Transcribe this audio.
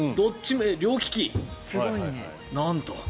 両利き、なんと。